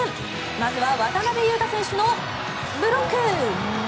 まずは渡邊雄太選手のブロック！